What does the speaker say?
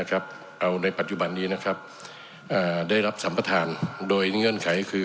เอาในปัจจุบันนี้นะครับได้รับสัมประธานโดยเงื่อนไขคือ